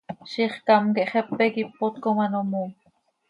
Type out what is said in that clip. Zixcám quih xepe quih ipot com ano moom.